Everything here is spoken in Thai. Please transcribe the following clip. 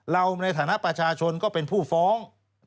เราในฐานะประชาชนก็เป็นผู้ฟ้อง